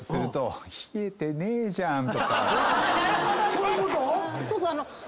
そういうこと？